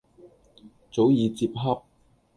早已接洽。